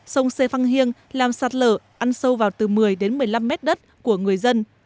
sông xê phăng hiêng làm sạt lở ăn sâu vào từ một mươi đến một mươi năm mét đất của người dân